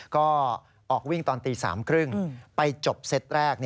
ก็ออกวิ่งตอนตี๓๓๐ไปจบเซตแรก